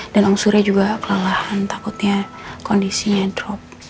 dan om surya juga kelalahan takutnya kondisinya drop